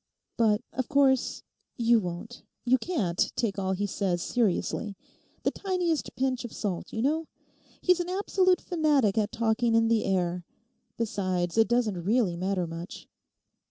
But, of course, you won't, you can't, take all he says seriously. The tiniest pinch of salt, you know. He's an absolute fanatic at talking in the air. Besides, it doesn't really matter much.